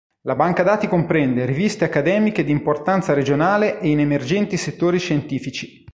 La banca dati comprende "riviste accademiche di importanza regionale e in emergenti settori scientifici".